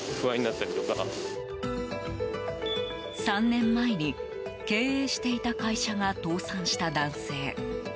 ３年前に経営していた会社が倒産した男性。